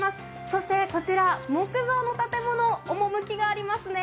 そしてこちら、木造の建物、趣がありますね。